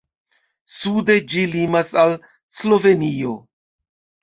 Sude ĝi limas al Slovenio.